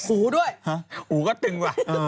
อู๋ด้วยอู๋ก็ตึงว่ะ